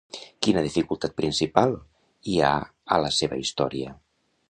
Quina dificultat principal hi ha a la seva història?